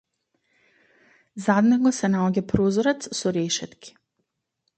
Зад него се наоѓа прозорец со решетки.